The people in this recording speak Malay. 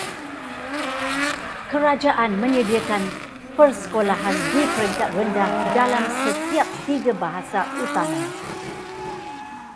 Kerajaan menyediakan persekolahan di peringkat rendah dalam setiap tiga bahasa utama.